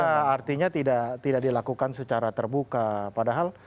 ya artinya tidak dilakukan secara terbuka padahal